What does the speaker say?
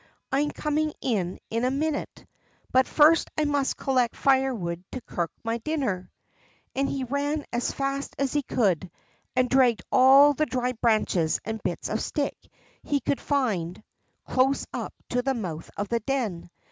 I am coming in in a minute, but first I must collect firewood to cook my dinner." And he ran as fast as he could, and dragged all the dry branches and bits of stick he could find close up to the mouth of the den.